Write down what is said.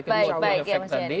kalau kembalikan ke efek tadi